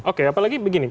oke apalagi begini